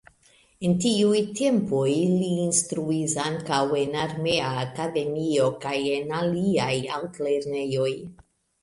En tiuj tempoj li instruis ankaŭ en armea akademio kaj en aliaj altlernejoj.